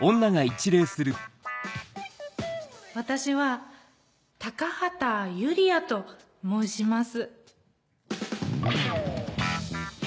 私は高畑ユリアと申します。